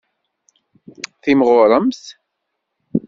Timɣuremt.